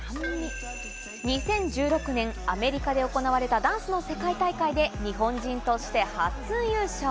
２０１６年、アメリカで行われたダンスの世界大会で日本人として初優勝。